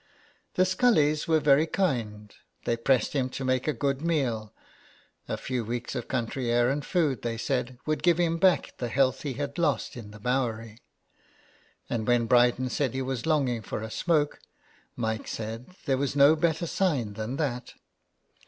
The Scullys were very kind, they 159 HOME SICKNESS. pressed him to make a good meal; a few weeks of country air and food, they said, would give him back the health he had lost in the Bowery ; and when Bryden said he was longing for a smoke, Mike said there was no better sign than that.